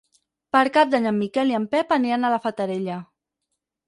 Per Cap d'Any en Miquel i en Pep aniran a la Fatarella.